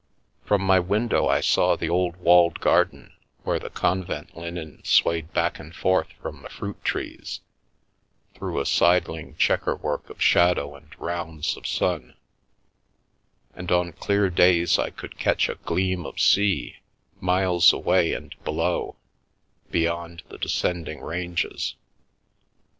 From my window I saw the old walled garden, where the convent linen swayed back and forth from the fruit trees, through a sidling chequer work of shadow and rounds of sun, and on clear days I could catch a gleam of sea, miles away and below, beyond the descending ranges.